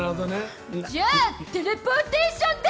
じゃあテレポーテーションで！